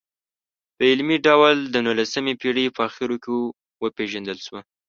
په علمي ډول د نولسمې پېړۍ په اخرو کې وپېژندل شوه.